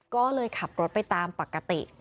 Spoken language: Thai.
ก็เลยขับรถไปตามปกติ